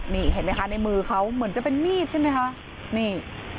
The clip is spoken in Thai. นี่เห็นไหมคะในมือเขาเหมือนจะเป็นมีดใช่ไหมคะนี่